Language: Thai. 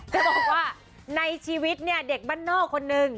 จะบอกว่าในชีวิตเนี่ยเด็กบ้านนอกคนนึง